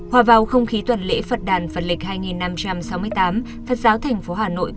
hòa vào không khí tuần lễ phật đàn phật lịch hai năm trăm sáu mươi tám phật giáo thành phố hà nội